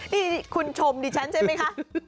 นี่คุณชมดิฉันใช่ไหมคะ